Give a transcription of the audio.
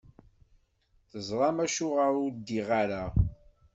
Tezṛam acuɣer ur ddiɣ ara?